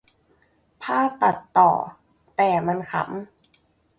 ภาพตัดต่อ แต่มันขำ